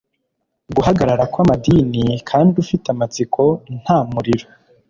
Guhagarara kwamadini kandi ufite amatsiko nta muriro